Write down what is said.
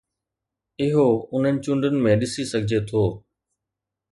اهو انهن چونڊن ۾ ڏسي سگهجي ٿو.